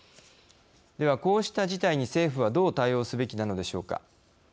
では、こうした事態に政府はどう対応すべきなのでしょうか。